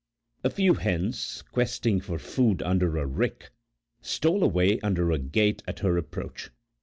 A few hens, questing for food under a rick, stole away under a gate at her approach.